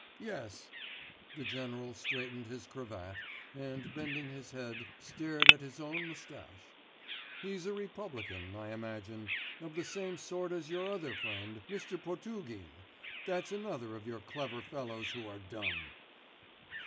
Yes....' The general straightened his cravat, and bending his head stared at his own moustache. 'He's a republican, I imagine, of the same sort as your other friend, Mr. Potugin; that's another of your clever fellows who are dumb.